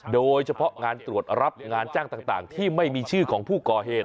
โดยเฉพาะงานตรวจรับงานจ้างต่างที่ไม่มีชื่อของผู้ก่อเหตุ